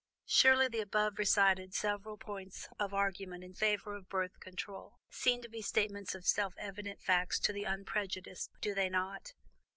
Surely the above recited special points of argument in favor of Birth Control seem to be statements of self evident facts to the unprejudiced mind, do they not?